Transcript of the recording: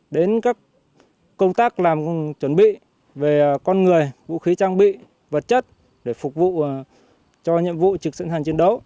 đến các công tác làm chuẩn bị về con người vũ khí trang bị vật chất để phục vụ cho nhiệm vụ trực sựng hàng chiến đấu